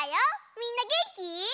みんなげんき？